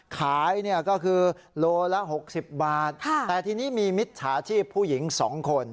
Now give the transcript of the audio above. ขายเนี่ยก็คือโลละ๖๐บาทแต่ทีนี้มีมิจฉาชีพผู้หญิง๒คน